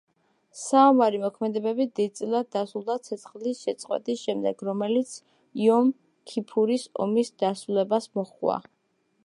საომარი მოქმედებები დიდწილად დასრულდა ცეცხლის შეწყვეტის შემდეგ, რომელიც იომ-ქიფურის ომის დასრულებას მოჰყვა.